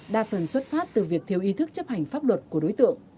đa phần xuất phát từ việc thiếu ý thức chấp hành pháp luật của đối tượng